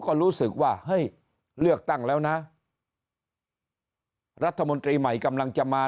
ก็รู้สึกว่าเฮ้ยเลือกตั้งแล้วนะรัฐมนตรีใหม่กำลังจะมา